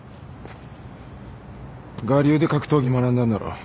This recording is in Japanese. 我流で格闘技学んだんだろ。